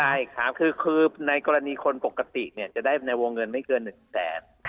ใช่ครับคือในกรณีคนปกติจะได้ในวงเงินไม่เกิน๑แสน